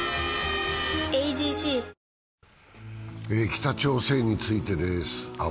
北朝鮮についてです。